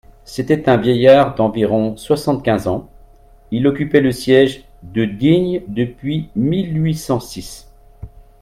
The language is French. C'était un vieillard d'environ soixante-quinze ans, il occupait le siège de Digne depuis mille huit cent six.